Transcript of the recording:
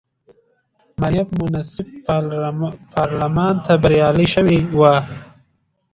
مریم منصف پارلمان ته بریالی شوې وه.